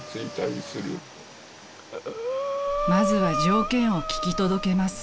［まずは条件を聞き届けます］